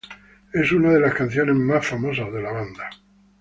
Es una de las canciones más famosas de la banda.